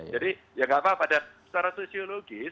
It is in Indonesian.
jadi ya enggak apa apa pada secara sosiologis